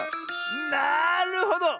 なるほど！